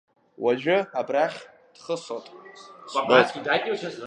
Уажә абрахь дхысот, — сҳәот.